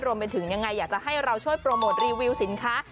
รวมไปถึงยังไงอยากจะให้เราช่วยโปรโมทรีวิวสินค้า